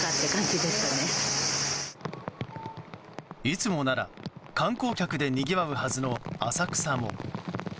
いつもなら観光客でにぎわうはずの浅草も。